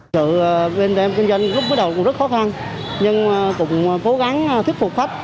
sự bên đêm kinh doanh lúc bắt đầu cũng rất khó khăn nhưng cũng cố gắng thuyết phục khách